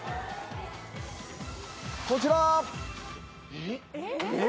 こちら。